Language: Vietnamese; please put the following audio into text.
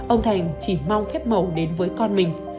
ông thành chỉ mong phép mẫu đến với con mình